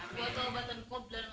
wa taubatan qablanamu